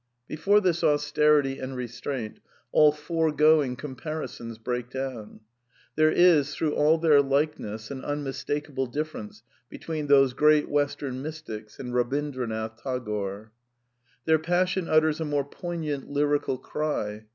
Before this austerity and restraint all foregoing compari sons break down. There is, through all their likeness, an unmistakable difference between those great Western mys tics and Babindranath Tagore. Their passion utters a more poignant lyrical cry.